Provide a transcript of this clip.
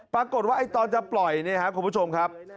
ปรากฏว่าตอนจะปล่อยเนี่ยครับคุณผู้ชมครับ